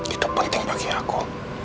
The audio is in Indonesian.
itu penting bagi aku